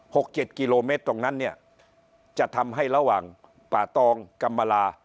หกเจ็ดกิโลเมตรตรงนั้นเนี่ยจะทำให้ระหว่างป่าตองกรรมลา